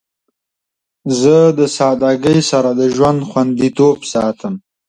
زه د سادگی سره د ژوند خوندیتوب ساتم.